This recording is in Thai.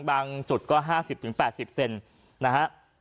บางจุดก็ห้าสิบถึงแปดสิบเซนนะฮะ